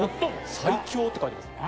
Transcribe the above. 「最強」って書いてますね。